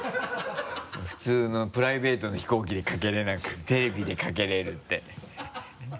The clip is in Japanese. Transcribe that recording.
普通のプライベートの飛行機でかけれなくてテレビでかけれるって。